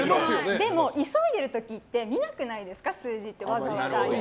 でも、急いでいる時って見なくないですか数字ってわざわざ。